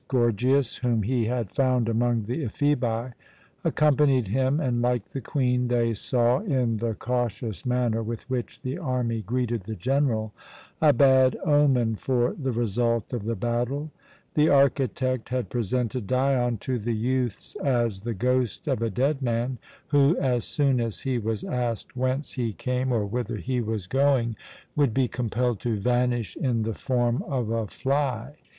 Gorgias, whom he had found among the Ephebi, accompanied him and, like the Queen, they saw, in the cautious manner with which the army greeted the general, a bad omen for the result of the battle. The architect had presented Dion to the youths as the ghost of a dead man, who, as soon as he was asked whence he came or whither he was going, would be compelled to vanish in the form of a fly.